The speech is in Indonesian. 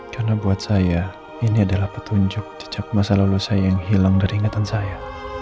karena buat saya ini adalah petunjuk jejak masa lalu saya yang hilang dari ingatan saya